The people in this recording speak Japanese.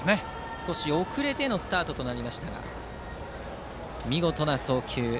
少し遅れてのスタートでしたが見事な送球。